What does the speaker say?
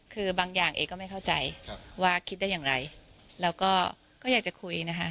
คือบางอย่างเอก็ไม่เข้าใจว่าคิดได้อย่างไรแล้วก็ก็อยากจะคุยนะคะ